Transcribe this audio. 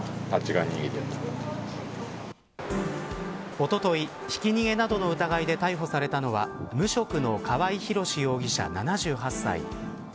おととい、ひき逃げなどの疑いで逮捕されたのは無職の川合広司容疑者７８歳。